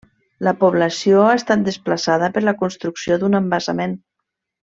La població ha estat desplaçada per la construcció d'un embassament.